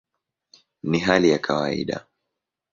Ni hali ya kawaida".